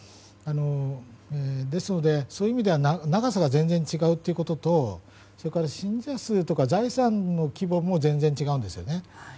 ですので、そういう意味では長さが全然違うということと信者数や財産の規模も規模も全然違うんですね。